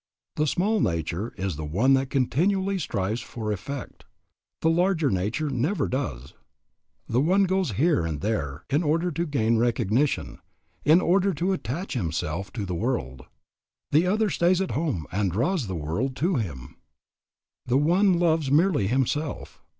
The small nature is the one that continually strives for effect. The larger nature never does. The one goes here and there in order to gain recognition, in order to attach himself to the world. The other stays at home and draws the world to him. The one loves merely himself.